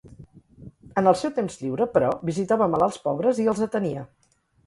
En el seu temps lliure, però, visitava malalts pobres i els atenia.